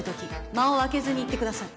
間を開けずに言ってください